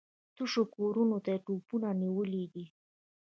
تشو کورونو ته يې توپونه نيولي دي.